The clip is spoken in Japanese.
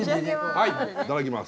はいいただきます。